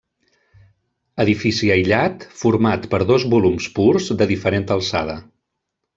Edifici aïllat format per dos volums purs de diferent alçada.